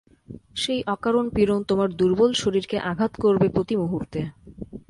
সেই অকারণ পীড়ন তোমার দূর্বল শরীরকে আঘাত করবে প্রতিমুহূর্তে।